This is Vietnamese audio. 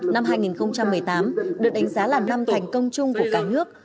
năm hai nghìn một mươi tám được đánh giá là năm thành công chung của cả nước